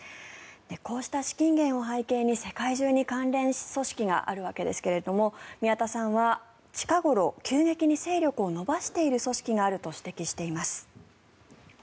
こうした資金源を背景に世界中に関連組織があるわけですが宮田さんは近ごろ急激に勢力を伸ばしている組織があると指摘しています。